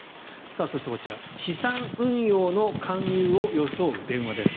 そしてこちら資産運用の勧誘を装う電話です。